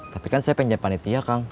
tapi kan saya pengen jadi panitia kang